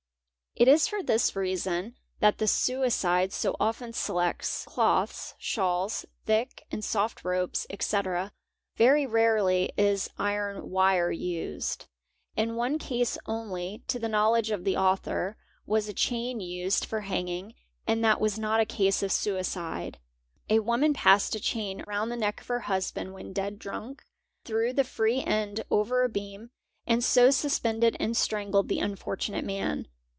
It is for this reason that the suicide so often selects cloths, — shawls, thick and soft ropes, etc., very rarely is iron wire used 02 101), — In one case only, to the knowledge of the author, was a chain used for hanging and that was not a case of suicide. A woman passed a chain round the neck of her husband when dead drunk, threw the free end over a beam, and so suspended and strangled the unfortunate man.